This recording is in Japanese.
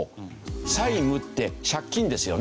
債務って借金ですよね。